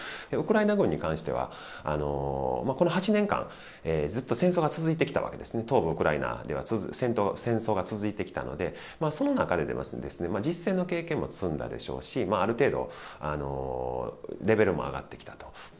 ウクライナ軍に関しては、この８年間、ずっと戦争が続いてきたわけですね、東部ウクライナでは戦争が続いてきたので、その中で実戦の経験も積んだでしょうし、ある程度レベルも上がってきたと。